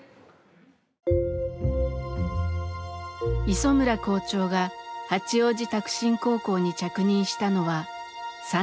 磯村校長が八王子拓真高校に着任したのは３年前。